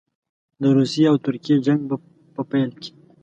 د روسیې او ترکیې جنګ په پیل کې.